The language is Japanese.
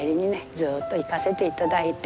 ずっと行かせていただいて。